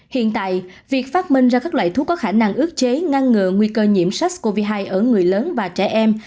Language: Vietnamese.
hiện tại việc phát minh ra các loại thuốc có khả năng ước chế ngăn ngừa nguy cơ nhiễm sars cov hai ở người lớn và trẻ em